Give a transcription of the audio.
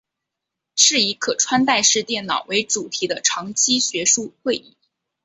是以可穿戴式电脑为主题的长期学术会议。